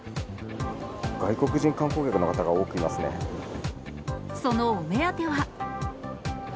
外国人観光客の方が多くいまそのお目当ては。